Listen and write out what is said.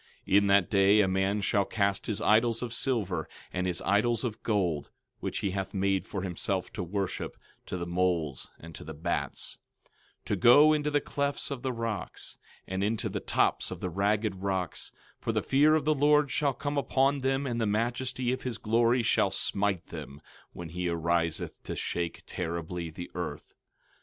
12:20 In that day a man shall cast his idols of silver, and his idols of gold, which he hath made for himself to worship, to the moles and to the bats; 12:21 To go into the clefts of the rocks, and into the tops of the ragged rocks, for the fear of the Lord shall come upon them and the majesty of his glory shall smite them, when he ariseth to shake terribly the earth.